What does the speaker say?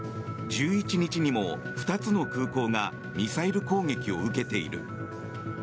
１１日にも２つの空港がミサイル攻撃を受けている。